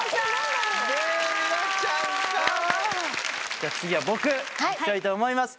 じゃあ次は僕行きたいと思います。